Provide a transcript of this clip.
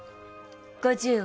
５０億で。